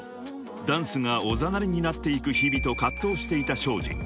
［ダンスがおざなりになっていく日々と葛藤していたｓｈｏｊｉ］